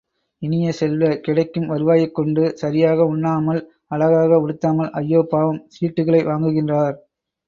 இனிய செல்வ, கிடைக்கும் வருவாயைக் கொண்டு சரியாக உண்ணாமல், அழகாக உடுத்தாமல், ஐயோ பாவம் சீட்டுகளை வாங்குகின்றார்.